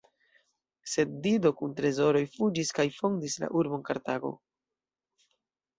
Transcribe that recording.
Sed Dido kun trezoroj fuĝis kaj fondis la urbon Kartago.